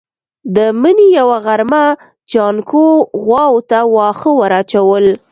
د مني يوه غرمه جانکو غواوو ته واښه ور اچول.